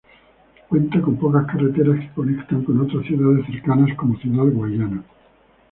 Cuenta con pocas carreteras que conectan con otras ciudades cercanas, como Ciudad Guayana.